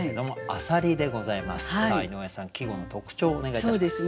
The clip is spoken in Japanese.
さあ井上さん季語の特徴をお願いいたします。